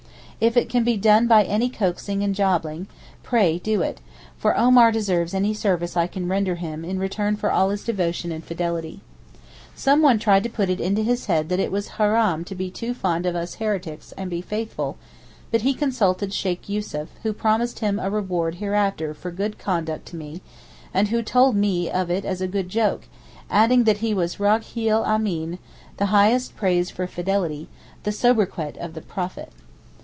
If it can be done by any coaxing and jobbing, pray do it, for Omar deserves any service I can render him in return for all his devotion and fidelity. Someone tried to put it into his head that it was haraam to be too fond of us heretics and be faithful, but he consulted Sheykh Yussuf, who promised him a reward hereafter for good conduct to me, and who told me of it as a good joke, adding that he was raghil ameen, the highest praise for fidelity, the sobriquet of the Prophet.